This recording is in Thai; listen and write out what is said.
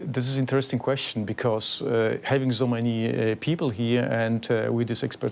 ที่มีความรู้สึกเรียกฐานและปลายกลุ่ม